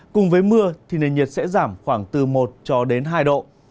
cùng với mưa thì nền nhiệt sẽ giảm khoảng từ một hai độ